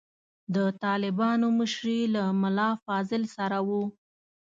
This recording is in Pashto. د طالبانو مشري له ملا فاضل سره وه.